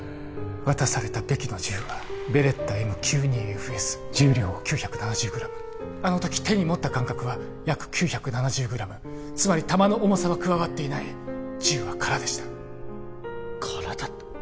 渡されたベキの銃はベレッタＭ９２ＦＳ重量９７０グラムあの時手に持った感覚は約９７０グラムつまり弾の重さは加わっていない銃は空でした空だった！？